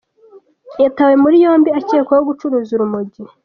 Yatawe muri yombi acyekwaho gucuruza urumogi